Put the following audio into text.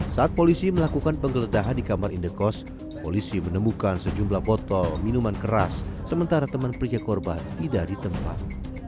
saat polisi melakukan penggeledahan di kamar indekos polisi menemukan sejumlah botol minuman keras sementara teman pria korban tidak ditempat